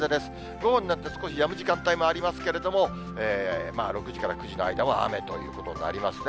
午後になって少しやむ時間帯もありますけれども、６時から９時の間は雨ということになりますね。